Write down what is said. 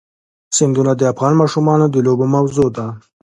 سیندونه د افغان ماشومانو د لوبو موضوع ده.